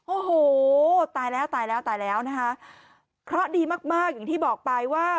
โอ้โหตายแล้วตายแล้วตายแล้วนะคะเคราะห์ดีมากมากอย่างที่บอกไปว่า